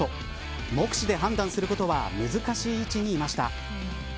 目視で判断することは難しい位置にいました。